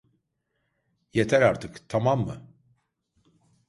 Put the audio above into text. Yeter artık, tamam mı?